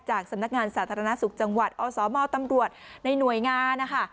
สำนักงานสาธารณสุขจังหวัดอสมตำรวจในหน่วยงานนะคะ